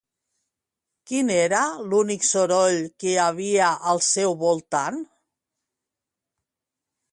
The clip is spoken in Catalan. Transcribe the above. Quin era l'únic soroll que hi havia al seu voltant?